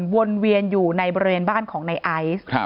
วนเวียนอยู่ในบริเวณบ้านของในไอซ์